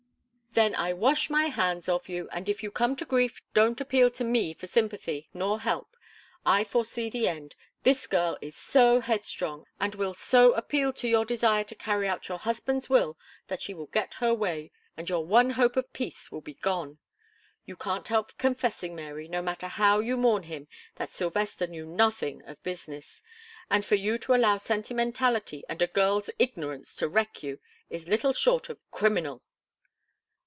"Then I wash my hands of you, and if you come to grief, don't appeal to me for sympathy nor help. I foresee the end; this girl is so headstrong, and will so appeal to your desire to carry out your husband's will, that she will get her way, and your one hope of peace will be gone. You can't help confessing, Mary, no matter how you mourn him, that Sylvester knew nothing of business, and for you to allow sentimentality and a girl's ignorance to wreck you, is little short of criminal."